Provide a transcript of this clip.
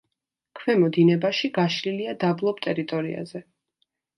ქვემო დინებაში გაშლილია დაბლობ ტერიტორიაზე.